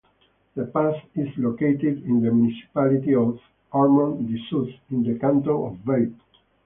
The pass is located in the municipality of Ormont-Dessous in the canton of Vaud.